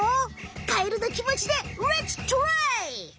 カエルのきもちでレッツトライ！